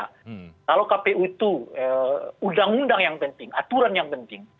kalau kpu itu undang undang yang penting aturan yang penting